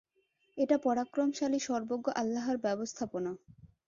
এটা পরাক্রমশালী সর্বজ্ঞ আল্লাহর ব্যবস্থাপনা।